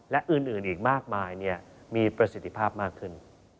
และอื่นอีกมากมายมีประสิทธิภาพมากขึ้น